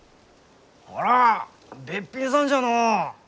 あらあべっぴんさんじゃのう。